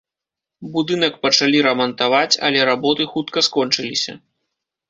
Будынак пачалі рамантаваць, але работы хутка скончыліся.